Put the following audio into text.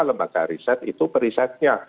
lembaga riset itu perisetnya